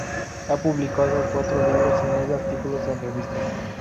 Ha publicado cuatro libros y nueve artículos en revistas.